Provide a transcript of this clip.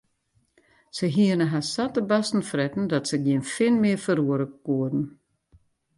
Se hiene har sa te barsten fretten dat se gjin fin mear ferroere koene.